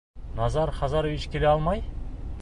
Назар Хазарович килә алмай?